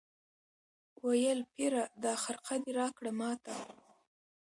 ویل پیره دا خرقه دي راکړه ماته